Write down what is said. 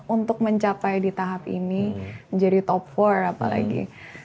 untuk mencapai di tahap ini menjadi top empat apalagi